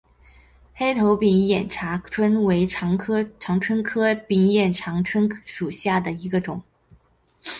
黑头柄眼长蝽为长蝽科柄眼长蝽属下的一个种。